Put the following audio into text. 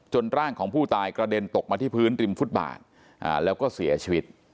ร่างของผู้ตายกระเด็นตกมาที่พื้นริมฟุตบาทแล้วก็เสียชีวิต